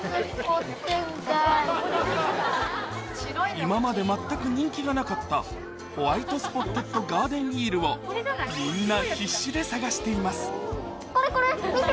今まで全く人気がなかったホワイトスポッテッドガーデンイールをみんな見て見て！